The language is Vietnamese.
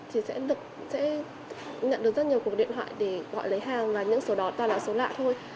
thì sẽ nhận được rất nhiều cuộc điện thoại để gọi lấy hàng là những số đó toàn là số lạ thôi